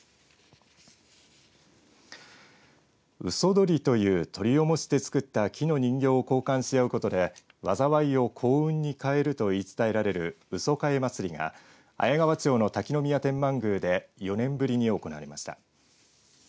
うそ鳥という鳥を模して作った木の人形を交換し合うことで災いを幸運に変えると言い伝えられるうそかえ祭が綾川町の滝宮天満宮で４年ぶりに行われました。